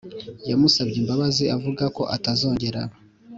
yamusabye imbabazi avuga ko atazongera